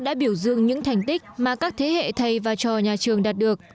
đã biểu dương những thành tích mà các thế hệ thầy và trò nhà trường đạt được